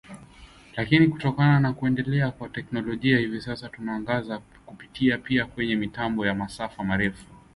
lakini kutokana na kuendelea kwa teknolojia hivi sasa tunatangaza kupitia pia kwenye mitambo ya masafa marefu